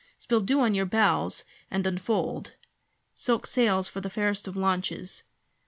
Spill dew on your bows and unfold Silk sails for the fairest of launches!